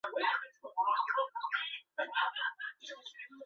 郑成玉现任朝鲜田径协会副秘书长。